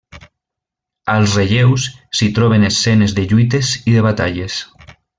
Als relleus, s'hi troben escenes de lluites i de batalles.